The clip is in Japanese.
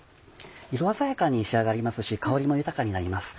色鮮やかに仕上がりますし香りも豊かになります。